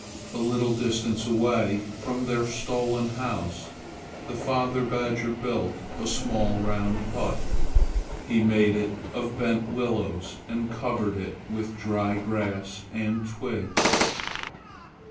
A little distance away from their stolen house the father badger built a small round hut. He made it of bent willows and covered it with dry grass and twigs.